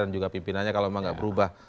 dan juga pimpinannya kalau memang tidak berubah